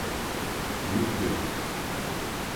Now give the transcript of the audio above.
Büyüktü.